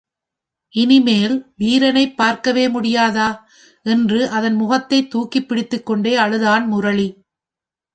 இனிமேல்வீரனைப் பார்க்கவே முடியாதா? என்று அதன் முகத்தைத் தூக்கிப் பிடித்துக்கொண்டே அழுதான் முரளி.